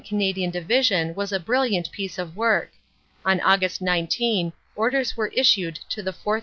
Canadian Division was a brilliant piece of work. On Aug. 19 orders were issued to the 4th.